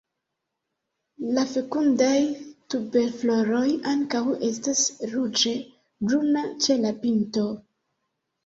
La fekundaj tuberfloroj ankaŭ estas ruĝe bruna ĉe la pinto.